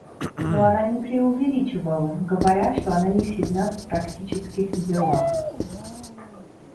Но она не преувеличивала, говоря, что она не сильна в практических делах.